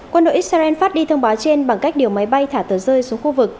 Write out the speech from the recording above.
quân đội israel phát đi thông báo trên bằng cách điều máy bay thả tờ rơi xuống khu vực